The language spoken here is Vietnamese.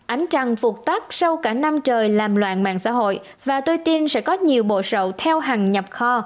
ánh trăng vụt tắt sau cả năm trời làm loạn mạng xã hội và tôi tin sẽ có nhiều bộ sậu theo hằng nhập kho